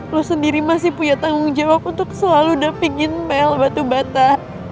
lo sendiri masih punya tanggung jawab untuk selalu dapingin bel batu bata